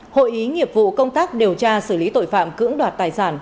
hội ý nghiệp vụ công tác điều tra xử lý tội phạm cưỡng đoạt tài sản